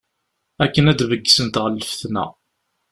Akken ad d-beggsen ɣer lfetna.